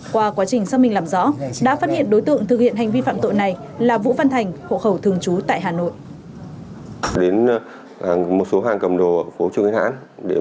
qua quá trình xác minh làm rõ đã phát hiện đối tượng thực hiện hành vi phạm tội này là vũ văn thành hộ khẩu thường trú tại hà nội